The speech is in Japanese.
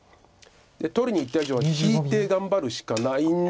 取りにいった以上は引いて頑張るしかないんだけど。